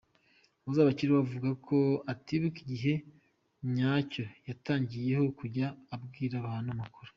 Uzabakiriho avuga ko atibuka igihe nyacyo yatangiriyeho kujya abwira abantu amakuru.